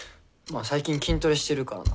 あ最近筋トレしてるからな。